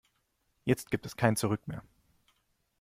Jetzt gibt es kein Zurück mehr.